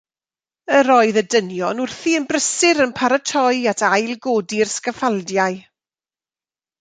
Yr oedd y dynion wrthi yn brysur yn paratoi at ail godi'r sgaffaldiau.